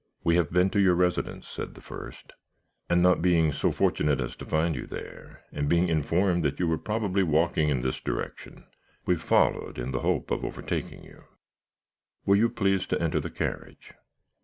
"'We have been to your residence,' said the first, 'and not being so fortunate as to find you there, and being informed that you were probably walking in this direction, we followed, in the hope of overtaking you. Will you please to enter the carriage?'